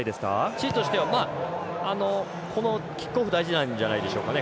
チリとしてはキックオフが大事なんじゃないでしょうかね。